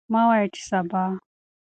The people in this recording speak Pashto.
مه وایئ چې سبا.